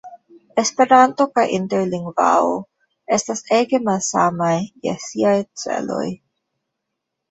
Esperanto kaj interlingvao estas ege malsamaj je siaj celoj.